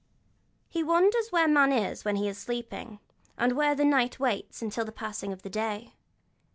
He wonders where man is when he is sleeping, and where the night waits until the passing of day.